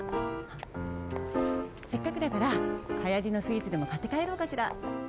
せっかくだからはやりのスイーツでもかってかえろうかしら。